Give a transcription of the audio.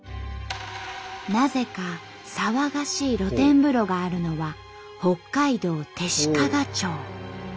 なぜか騒がしい露天風呂があるのは北海道弟子屈町。